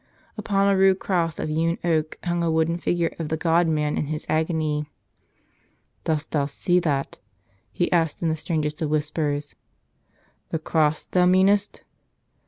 Upon a rude cross of hewn oak hung a wooden figure of the God Man in His agony. "Dost thou see that?" he asked in the strangest of whispers. "The cross, thou meanest?"